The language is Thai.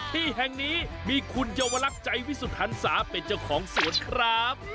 ที่แห่งนี้มีคุณเยาวลักษณ์ใจวิสุทัศาเป็นเจ้าของสวนครับ